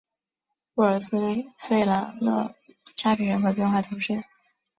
布尔斯弗朗勒沙皮人口变化图示